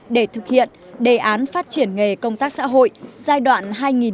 để thực hiện đề án phát triển nghề công tác xã hội giai đoạn hai nghìn một mươi hai nghìn hai mươi